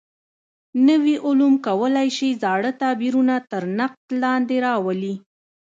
نوي علوم کولای شي زاړه تعبیرونه تر نقد لاندې راولي.